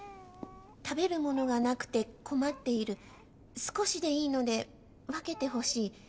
食べるものがなくて困っている少しでいいので分けてほしい。